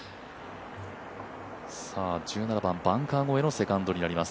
１７番、バンカー越えのセカンドになります。